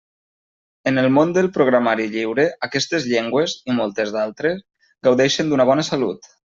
En el món del programari lliure, aquestes llengües, i moltes d'altres, gaudeixen d'una bona salut.